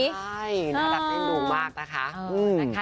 ใช่น่ารักได้ดูมากนะคะ